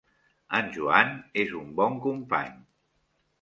En Joan és un bon company.